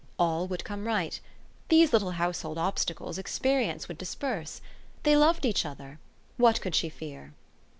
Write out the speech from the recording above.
All would come right. These little household obsta cles, experience would disperse. They loved each other, what could she fear